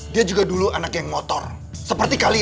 dia juga dulu anak yang motor seperti kalian